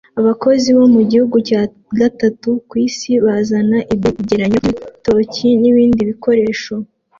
Abakozi bo mu gihugu cya gatatu ku isi bazana ibyegeranyo byibitoki nibindi bikoresho